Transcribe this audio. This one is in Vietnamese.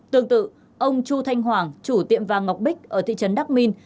tương tự ông chu thanh hoàng chủ tiệm vàng ngọc bích ở thị trấn đắc minh